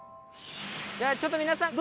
じゃあちょっと皆さん。